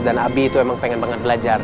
dan abi itu memang pengen pengen belajar